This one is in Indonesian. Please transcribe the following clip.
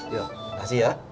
yuk kasih ya